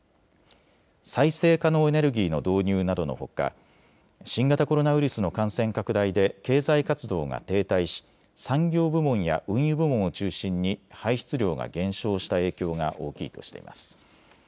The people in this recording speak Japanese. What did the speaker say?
再生可能エネルギーの導入などのほか新型コロナウイルスの感染拡大で経済活動が停滞し産業部門や運輸部門を中心に排出量が減少した影響が大きいとしています。